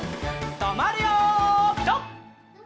とまるよピタ！